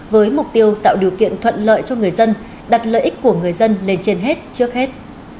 với mục tiêu tạo điều kiện thuận lợi cho người dân đặt lợi ích của người dân lên trên hết trước hết